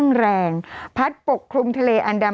กรมป้องกันแล้วก็บรรเทาสาธารณภัยนะคะ